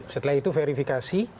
setelah itu verifikasi